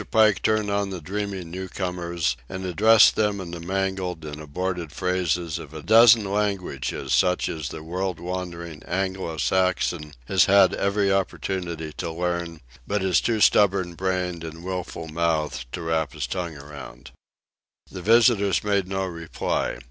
Pike turned on the dreaming new comers and addressed them in the mangled and aborted phrases of a dozen languages such as the world wandering Anglo Saxon has had every opportunity to learn but is too stubborn brained and wilful mouthed to wrap his tongue about. The visitors made no reply.